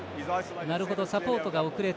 サポートが遅れた。